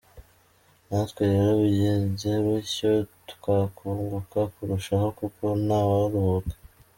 Natwe rero bigenze bityo twakunguka kurushaho, kuko ntawaruhuka.